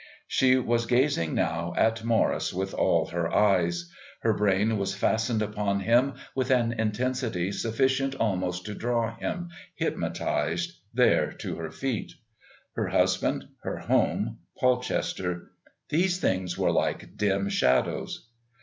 She was gazing now at Morris with all her eyes. Her brain was fastened upon him with an intensity sufficient almost to draw him, hypnotised, there to her feet. Her husband, her home, Polchester, these things were like dim shadows.